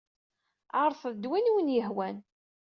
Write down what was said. Ɛeṛḍet-d win ay awen-yehwan.